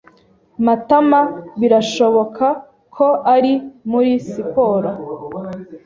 Matama birashoboka ko ari muri siporo.